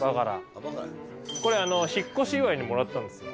これ、引っ越し祝いにもらったんですよ。